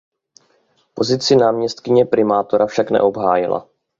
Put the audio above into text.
Pozici náměstkyně primátora však neobhájila.